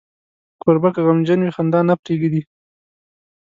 کوربه که غمجن وي، خندا نه پرېږدي.